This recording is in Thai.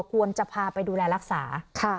ควรจะพาไปดูแลรักษา